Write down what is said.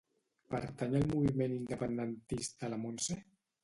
Pertany al moviment independentista la Montse?